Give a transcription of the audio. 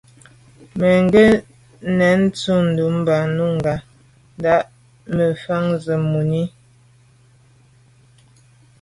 Mə́ gə nɛ̄n tsjə́ə̀də̄ bā núngā ndà’djú mə́ fá yɔ̀ mùní.